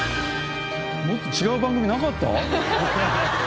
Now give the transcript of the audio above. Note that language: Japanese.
もっと違う番組なかった？